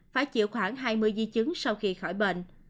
phải chịu khoảng hai mươi di chứng sau khi khỏi bệnh